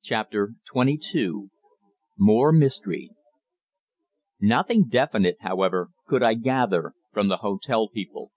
CHAPTER TWENTY TWO MORE MYSTERY Nothing definite, however, could I gather from the hotel people.